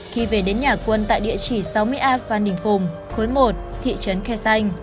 khi về đến nhà quân tại địa chỉ sáu mươi a phan đình phùng khối một thị trấn khe xanh